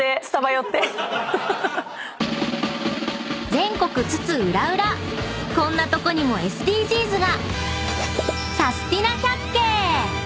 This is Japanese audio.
［全国津々浦々こんなとこにもＳＤＧｓが！］